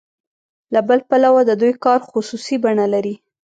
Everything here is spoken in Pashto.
له بل پلوه د دوی کار خصوصي بڼه لري